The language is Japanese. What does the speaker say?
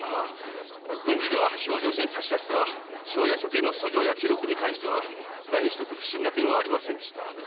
郡司が評定所に差し出した庄屋処刑の訴状や記録には何ひとつ不審な点はありませんでした。